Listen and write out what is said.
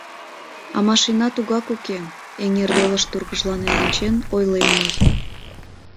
— А машина тугак уке... — эҥер велыш тургыжланен ончен, ойлем мый.